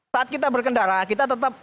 saat kita berkendara kita tetap